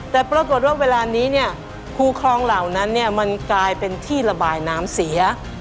แต่ปรากฏว่าเวลานี้เนี่ยคูคลองเหล่านั้นเนี่ยมันกลายเป็นที่ระบายน้ำเสีย